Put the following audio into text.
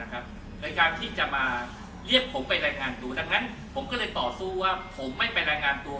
ในการที่จะมาเรียกผมไปรายงานตัวดังนั้นผมก็เลยต่อสู้ว่าผมไม่ไปรายงานตัว